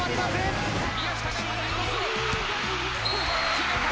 決めた！